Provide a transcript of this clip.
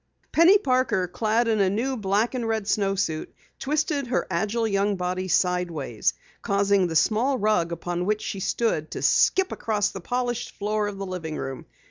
Penny Parker, clad in a new black and red snowsuit, twisted her agile young body sideways, causing the small rug upon which she stood to skip across the polished floor of the living room.